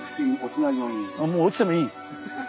ああもう落ちてもいい。